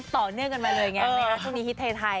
ต่อเนื่องกันมาเลยอย่างนี้ค่ะช่วงนี้ฮิตไทย